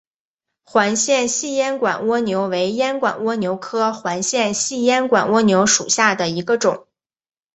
环线细烟管蜗牛为烟管蜗牛科环线细烟管蜗牛属下的一个种。